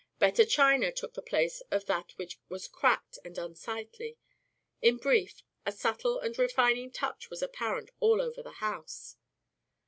Better china took the place of that which was cracked and unsightly. In brief, a subtle and refining touch was apparent all over the house.